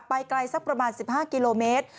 ไกลสักประมาณ๑๕กิโลเมตร